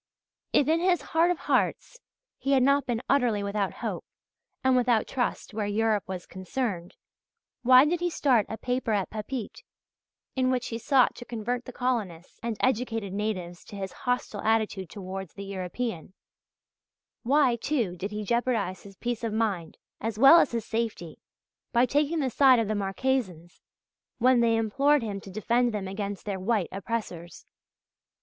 If in his heart of hearts he had not been utterly without hope and without trust where Europe was concerned, why did he start a paper at Papeete, in which he sought to convert the colonists and educated natives to his hostile attitude towards the European? Why, too, did he jeopardize his peace of mind as well as his safety, by taking the side of the Marquesans when they implored him to defend them against their white oppressors?